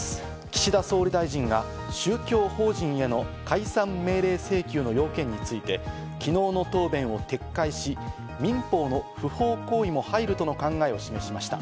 岸田総理大臣が宗教法人への解散命令請求の要件について、昨日の答弁を撤回し、民法の不法行為も入るとの考えを示しました。